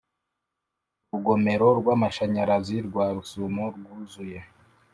Urugomero rwamashanyarazi rwa Rusumo rwuzuye